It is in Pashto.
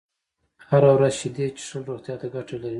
هره ورځ شيدې څښل روغتيا ته گټه لري